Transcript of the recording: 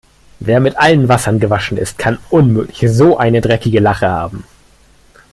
Wer mit allen Wassern gewaschen ist, kann unmöglich so eine dreckige Lache haben.